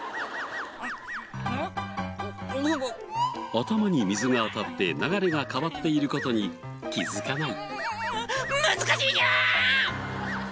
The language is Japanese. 頭に水が当たって流れが変わっている事に気づかない。